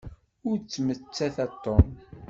Ur ttmettat a Tom.